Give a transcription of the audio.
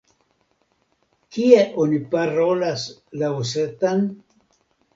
Kie oni parolas la osetan?